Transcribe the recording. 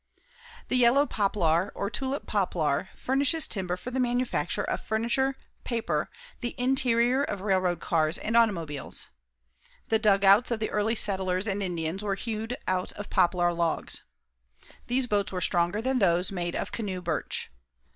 The yellow poplar or tulip poplar furnishes timber for the manufacture of furniture, paper, the interior of railroad cars and automobiles. The dugouts of the early settlers and Indians were hewed out of poplar logs. These boats were stronger than those made of canoe birch.